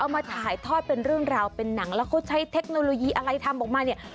มาถ่ายทอดเป็นเรื่องราวเป็นหนังแล้วเขาใช้เทคโนโลยีอะไรทำออกมาเนี่ย